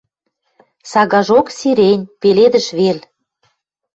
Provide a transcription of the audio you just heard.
Сагажок сирень — пеледӹш вел...